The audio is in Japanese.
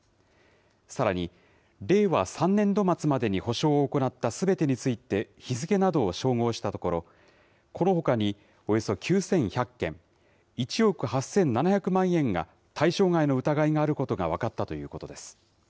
さらに令和３年度末までに補償を行ったすべてについて、日付などを照合したところ、このほかにおよそ９１００件、１億８７００万円が対象外の疑いがあることが分かったということです。